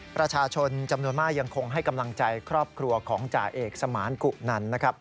ประชาชนจำนวนมากยังคงให้กำลังใจครอบครัวของจ่าเอกสมานกุนันนะครับ